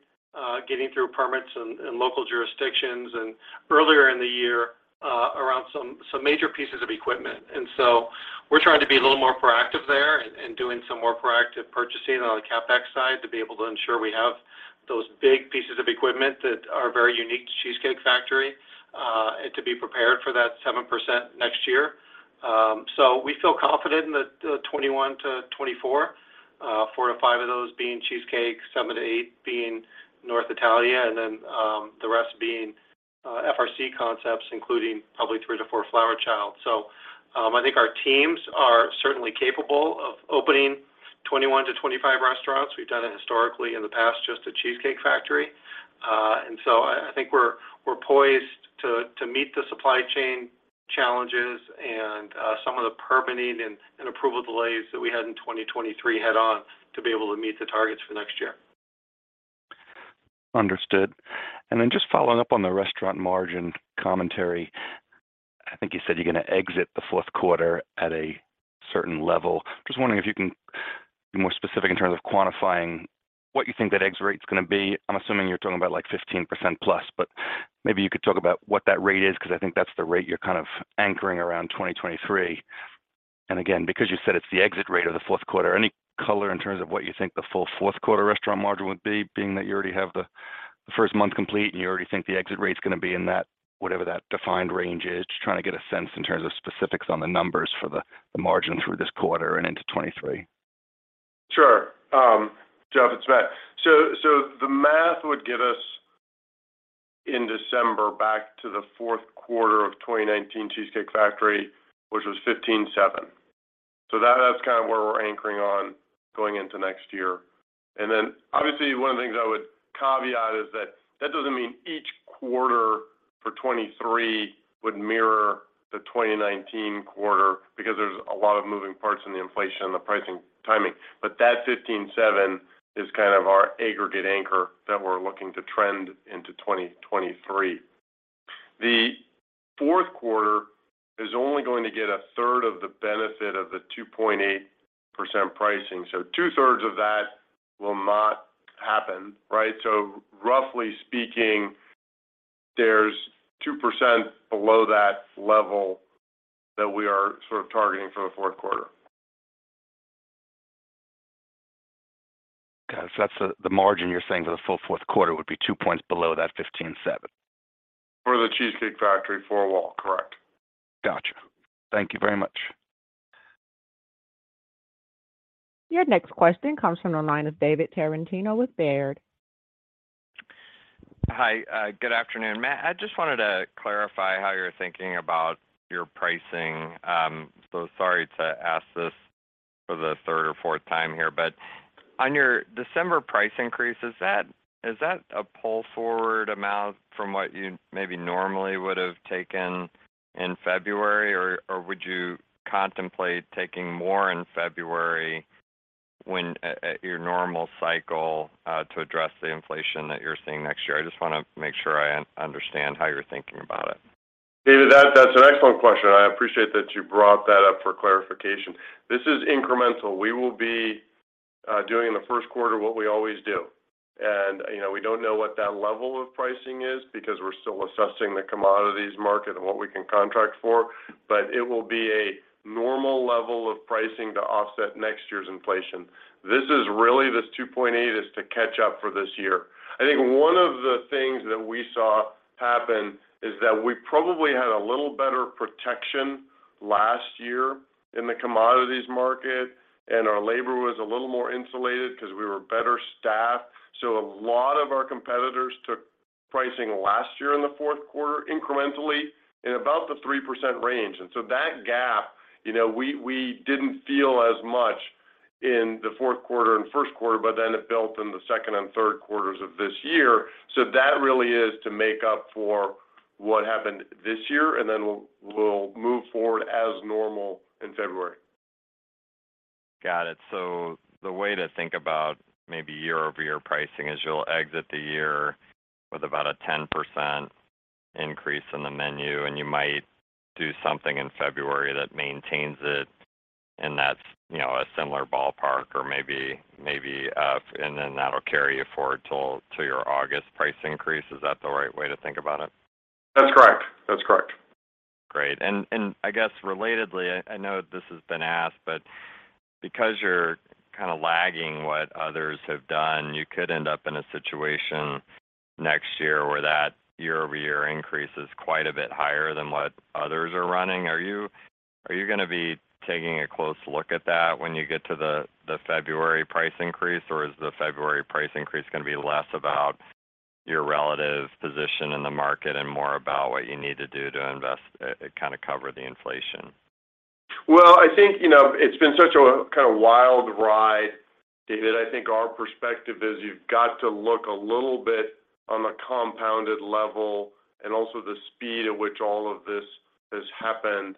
getting through permits in local jurisdictions, and earlier in the year around some major pieces of equipment. We're trying to be a little more proactive there and doing some more proactive purchasing on the CapEx side to be able to ensure we have those big pieces of equipment that are very unique to Cheesecake Factory. To be prepared for that 7% next year. We feel confident in the 21-24, four-five of those being Cheesecake, seven-eight being North Italia, and then the rest being FRC concepts including probably three-four Flower Child. I think our teams are certainly capable of opening 21-25 restaurants. We've done it historically in the past just at Cheesecake Factory. I think we're poised to meet the supply chain challenges and some of the permitting and approval delays that we had in 2023 head on to be able to meet the targets for next year. Understood. Then just following up on the restaurant margin commentary, I think you said you're gonna exit the fourth quarter at a certain level. Just wondering if you can be more specific in terms of quantifying what you think that exit rate's gonna be. I'm assuming you're talking about like 15+%, but maybe you could talk about what that rate is because I think that's the rate you're kind of anchoring around 2023. Again, because you said it's the exit rate of the fourth quarter, any color in terms of what you think the full fourth quarter restaurant margin would be being that you already have the first month complete and you already think the exit rate's gonna be in that, whatever that defined range is. Just trying to get a sense in terms of specifics on the numbers for the margin through this quarter and into 2023. Sure. Jeff, it's Matt. The math would give us in December back to the fourth quarter of 2019 Cheesecake Factory, which was 15.7. That's kind of where we're anchoring on going into next year. Then obviously one of the things I would caveat is that that doesn't mean each quarter for 2023 would mirror the 2019 quarter because there's a lot of moving parts in the inflation and the pricing timing. That 15.7 is kind of our aggregate anchor that we're looking to trend into 2023. The fourth quarter is only going to get a third of the benefit of the 2.8% pricing. 2/3 of that will not happen, right? Roughly speaking, there's 2% below that level that we are sort of targeting for the fourth quarter. Okay. That's the margin you're saying for the full fourth quarter would be two points below that 15.7%. For The Cheesecake Factory four-wall, correct. Gotcha. Thank you very much. Your next question comes from the line of David Tarantino with Baird. Hi. Good afternoon. Matt, I just wanted to clarify how you're thinking about your pricing. Sorry to ask this for the third or fourth time here, but on your December price increase, is that a pull-forward amount from what you maybe normally would have taken in February, or would you contemplate taking more in February when at your normal cycle, to address the inflation that you're seeing next year? I just wanna make sure I understand how you're thinking about it. David, that's an excellent question. I appreciate that you brought that up for clarification. This is incremental. We will be doing in the first quarter what we always do. You know, we don't know what that level of pricing is because we're still assessing the commodities market and what we can contract for, but it will be a normal level of pricing to offset next year's inflation. This is really, this 2.8 is to catch up for this year. I think one of the things that we saw happen is that we probably had a little better protection last year in the commodities market, and our labor was a little more insulated because we were better staffed. So a lot of our competitors took pricing last year in the fourth quarter incrementally in about the 3% range. That gap, you know, we didn't feel as much in the fourth quarter and first quarter, but then it built in the second and third quarters of this year. That really is to make up for what happened this year, and then we'll move forward as normal in February. Got it. The way to think about maybe year-over-year pricing is you'll exit the year with about a 10% increase in the menu, and you might do something in February that maintains it and that's, you know, a similar ballpark or maybe up, and then that'll carry you forward till to your August price increase. Is that the right way to think about it? That's correct. Great. I guess relatedly, I know this has been asked, but because you're kinda lagging what others have done, you could end up in a situation next year where that year-over-year increase is quite a bit higher than what others are running. Are you gonna be taking a close look at that when you get to the February price increase, or is the February price increase gonna be less about your relative position in the market and more about what you need to do to invest kind of cover the inflation? Well, I think, you know, it's been such a kind of wild ride, David. I think our perspective is you've got to look a little bit on a compounded level and also the speed at which all of this has happened.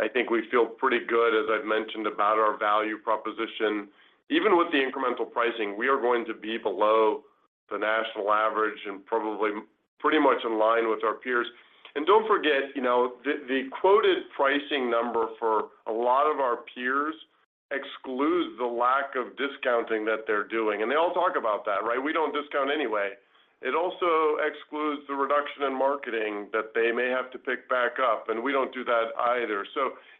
I think we feel pretty good, as I've mentioned, about our value proposition. Even with the incremental pricing, we are going to be below the national average and probably pretty much in line with our peers. Don't forget, you know, the quoted pricing number for a lot of our peers excludes the lack of discounting that they're doing. They all talk about that, right? We don't discount anyway. It also excludes the reduction in marketing that they may have to pick back up, and we don't do that either.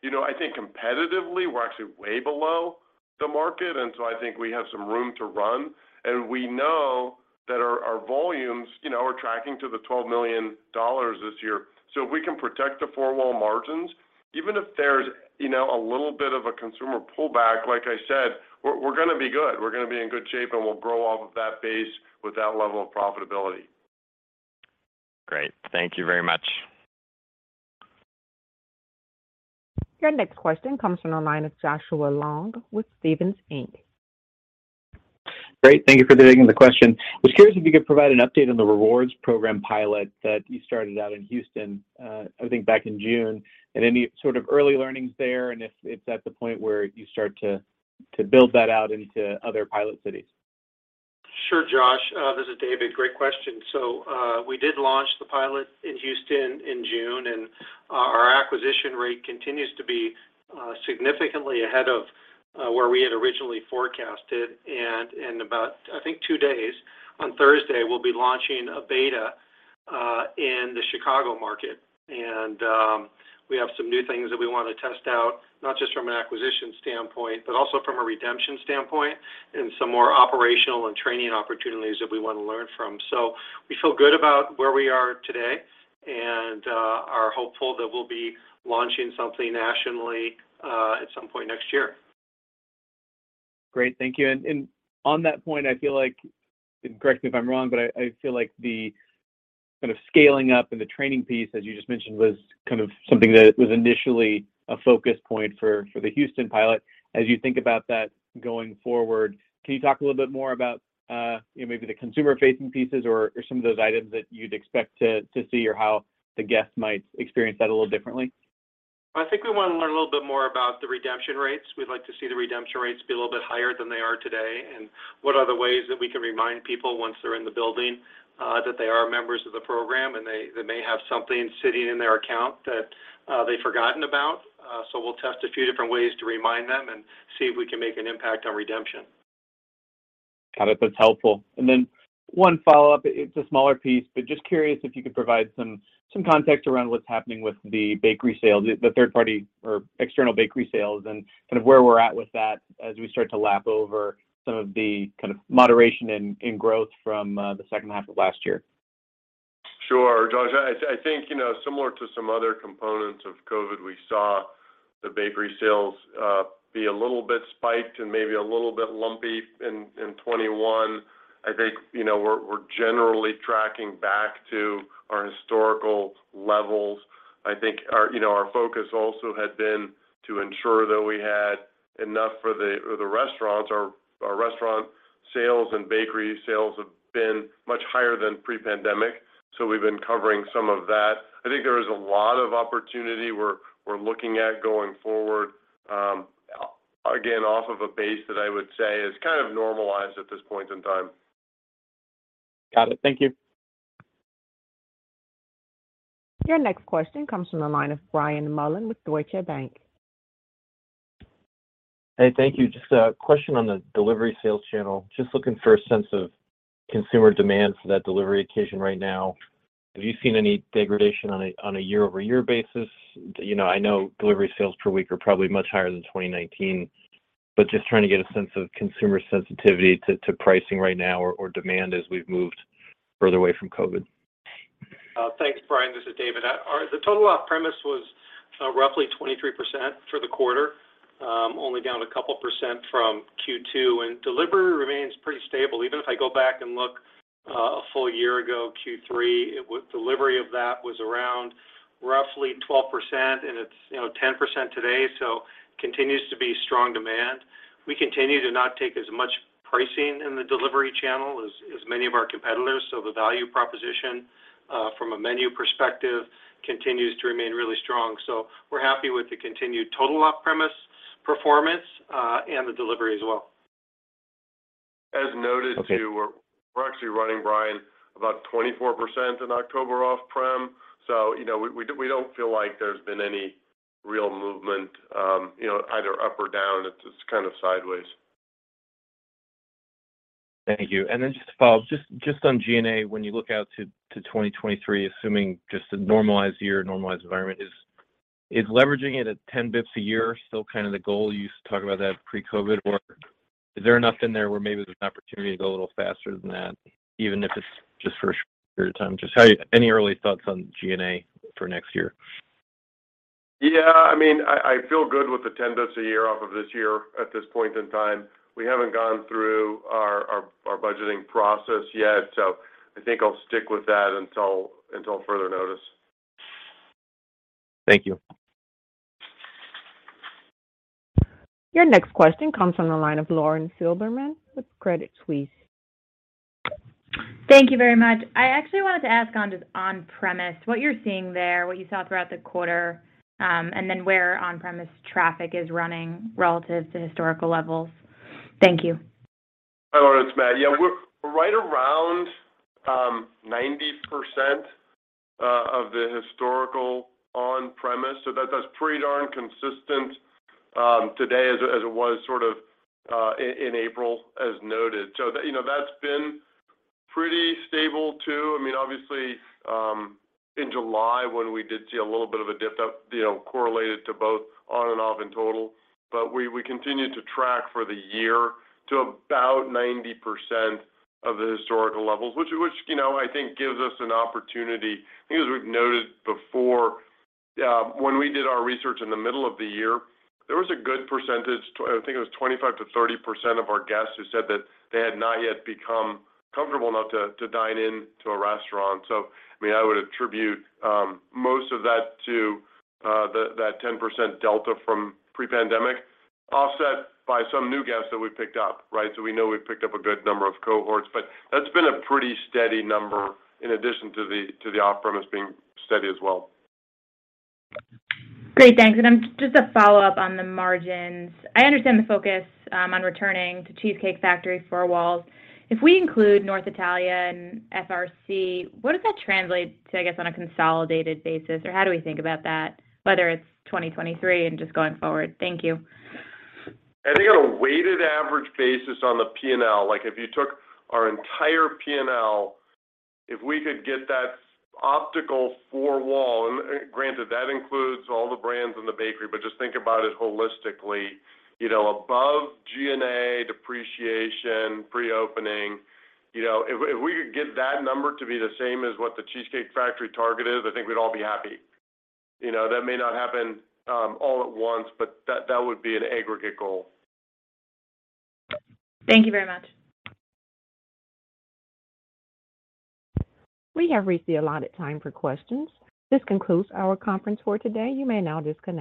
You know, I think competitively, we're actually way below the market, and so I think we have some room to run, and we know that our volumes, you know, are tracking to the $12 million this year. If we can protect the four-wall margins, even if there's, you know, a little bit of a consumer pullback, like I said, we're gonna be good. We're gonna be in good shape, and we'll grow off of that base with that level of profitability. Great. Thank you very much. Your next question comes from the line of Joshua Long with Stephens Inc. Great. Thank you for taking the question. Was curious if you could provide an update on the rewards program pilot that you started out in Houston, I think back in June, and any sort of early learnings there, and if it's at the point where you start to build that out into other pilot cities. Sure, Josh. This is David. Great question. We did launch the pilot in Houston in June, and our acquisition rate continues to be significantly ahead of where we had originally forecasted. In about, I think two days, on Thursday, we'll be launching a beta in the Chicago market. We have some new things that we wanna test out, not just from an acquisition standpoint, but also from a redemption standpoint, and some more operational and training opportunities that we wanna learn from. We feel good about where we are today and are hopeful that we'll be launching something nationally at some point next year. Great. Thank you. On that point, I feel like, and correct me if I'm wrong, but I feel like the kind of scaling up and the training piece, as you just mentioned, was kind of something that was initially a focus point for the Houston pilot. As you think about that going forward, can you talk a little bit more about, you know, maybe the consumer-facing pieces or some of those items that you'd expect to see or how the guests might experience that a little differently? I think we wanna learn a little bit more about the redemption rates. We'd like to see the redemption rates be a little bit higher than they are today, and what are the ways that we can remind people once they're in the building, that they are members of the program and they may have something sitting in their account that they've forgotten about. We'll test a few different ways to remind them and see if we can make an impact on redemption. Got it. That's helpful. One follow-up. It's a smaller piece, but just curious if you could provide some context around what's happening with the bakery sales, the third party or external bakery sales and kind of where we're at with that as we start to lap over some of the kind of moderation in growth from the second half of last year. Sure, Josh. I think, you know, similar to some other components of COVID, we saw the bakery sales be a little bit spiked and maybe a little bit lumpy in 2021. I think, you know, we're generally tracking back to our historical levels. I think our, you know, our focus also had been to ensure that we had enough for the restaurants. Our restaurant sales and bakery sales have been much higher than pre-pandemic, so we've been covering some of that. I think there is a lot of opportunity we're looking at going forward, again, off of a base that I would say is kind of normalized at this point in time. Got it. Thank you. Your next question comes from the line of Brian Mullan with Deutsche Bank. Hey, thank you. Just a question on the delivery sales channel. Just looking for a sense of consumer demand for that delivery occasion right now. Have you seen any degradation on a year-over-year basis? You know, I know delivery sales per week are probably much higher than 2019, but just trying to get a sense of consumer sensitivity to pricing right now or demand as we've moved further away from COVID. Thanks, Brian. This is David. The total off-premise was roughly 23% for the quarter, only down a couple percent from Q2, and delivery remains pretty stable. Even if I go back and look a full year ago, Q3, it, delivery of that was around roughly 12%, and it's, you know, 10% today, so continues to be strong demand. We continue to not take as much pricing in the delivery channel as many of our competitors, so the value proposition from a menu perspective continues to remain really strong. We're happy with the continued total off-premise performance and the delivery as well. As noted. Okay. We're actually running, Brian, about 24% in October off-prem. You know, we don't feel like there's been any real movement, you know, either up or down. It's kind of sideways. Thank you. Just to follow up, just on G&A, when you look out to 2023, assuming just a normalized year, normalized environment, is leveraging it at 10 bps a year still kind of the goal? You used to talk about that pre-COVID. Is there enough in there where maybe there's an opportunity to go a little faster than that, even if it's just for a short period of time? Any early thoughts on G&A for next year? Yeah. I mean, I feel good with the 10 basis points a year off of this year at this point in time. We haven't gone through our budgeting process yet, so I think I'll stick with that until further notice. Thank you. Your next question comes from the line of Lauren Silberman with Credit Suisse. Thank you very much. I actually wanted to ask on just on-premise, what you're seeing there, what you saw throughout the quarter, and then where on-premise traffic is running relative to historical levels? Thank you. Hi, Lauren. It's Matt. Yeah. We're right around 90% of the historical on-premise. That's pretty darn consistent today as it was sort of in April, as noted. You know, that's been pretty stable, too. I mean, obviously, in July, when we did see a little bit of a dip up, you know, correlated to both on and off in total. We continue to track for the year to about 90% of the historical levels, which you know, I think gives us an opportunity. I think as we've noted before, when we did our research in the middle of the year, there was a good percentage. I think it was 25%-30% of our guests who said that they had not yet become comfortable enough to dine in a restaurant. I mean, I would attribute most of that to that 10% delta from pre-pandemic offset by some new guests that we picked up, right? We know we've picked up a good number of cohorts, but that's been a pretty steady number in addition to the off-premise being steady as well. Great. Thanks. Just a follow-up on the margins. I understand the focus on returning to Cheesecake Factory four walls. If we include North Italia and FRC, what does that translate to, I guess, on a consolidated basis? Or how do we think about that, whether it's 2023 and just going forward? Thank you. I think on a weighted average basis on the P&L, like if you took our entire P&L, if we could get that optimal four-wall, and granted, that includes all the brands in the bakery, but just think about it holistically, you know, above G&A, depreciation, pre-opening. You know, if we could get that number to be the same as what the Cheesecake Factory target is, I think we'd all be happy. You know, that may not happen, all at once, but that would be an aggregate goal. Thank you very much. We have reached the allotted time for questions. This concludes our conference for today. You may now disconnect.